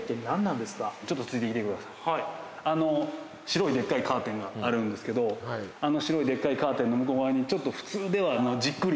あの白いでっかいカーテンがあるんですけどあの白いでっかいカーテンの向こう側にちょっと。